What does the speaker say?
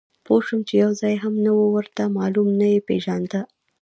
پوه شوم چې یو ځای هم نه و ورته معلوم، نه یې پېژانده.